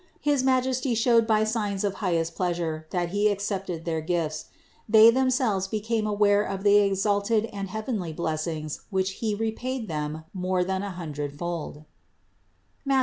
His Majesty showed by signs of highest pleasure, that He accepted their gifts: they themselves became aware of the exalted and heavenly blessings with which He repaid them more than a hundredfold (Matth.